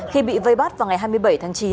khi bị vây bắt vào ngày hai mươi bảy tháng chín